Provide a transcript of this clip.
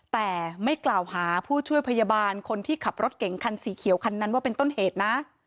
แต่ไม่กล่าวหาผู้ช่วยพยาบาลคนที่ขับรถเก่งคันสีเขียวคันนั้นว่าเป็นต้นเหตุนะ